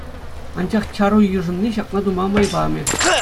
Анчах чару йышӑнни ҫакна тума май памӗ.